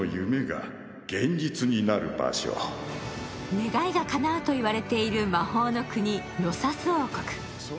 願いがかなうと言われている魔法の国、ロサス王国。